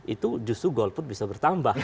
itu justru golput bisa bertambah